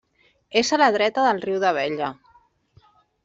És a la dreta del Riu d'Abella.